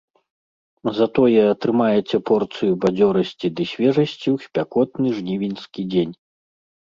Затое атрымаеце порцыю бадзёрасці ды свежасці ў спякотны жнівеньскі дзень.